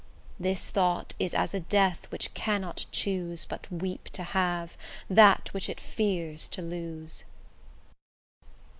This thought is as a death which cannot choose But weep to have, that which it fears to lose.